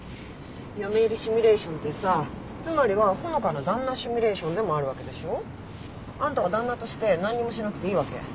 嫁入りシミュレーションってさつまりは穂香の旦那シミュレーションでもあるわけでしょ？あんたは旦那として何にもしなくていいわけ？